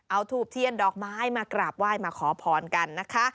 เอาทูบเทียนดอกไม้มากราบไหว้มาขอพรกันนะคะ